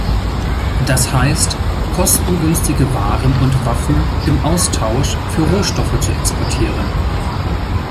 Das heißt, kostengünstige Waren und Waffen im Austausch für Rohstoffe zu exportieren.